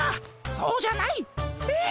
そうじゃない！えっ？